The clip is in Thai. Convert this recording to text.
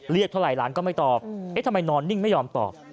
เท่าไหรหลานก็ไม่ตอบเอ๊ะทำไมนอนนิ่งไม่ยอมตอบ